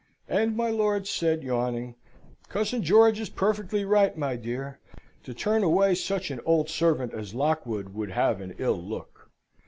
And my lord said, yawning, "Cousin George is perfectly right, my dear. To turn away such an old servant as Lockwood would have an ill look."